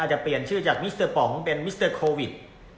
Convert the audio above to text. จะเปลี่ยนชื่อจากมิสเตอร์ป๋องเป็นมิสเตอร์โควิด